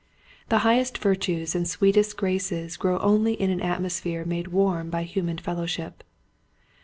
The highest virtues and sweetest graces grow only in an atmosphere made warm by human fellowship.